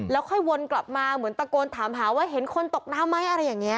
แล้วค่อยวนกลับมาเหมือนตะโกนถามหาว่าเห็นคนตกน้ำไหมอะไรอย่างนี้